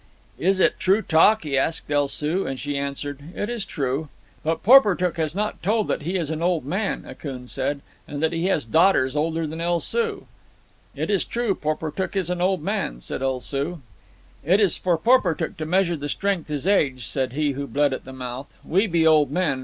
"Is it true talk?" he asked El Soo, and she answered, "It is true." "But Porportuk has not told that he is an old man," Akoon said, "and that he has daughters older than El Soo." "It is true, Porportuk is an old man," said El Soo. "It is for Porportuk to measure the strength his age," said he who bled at the mouth. "We be old men.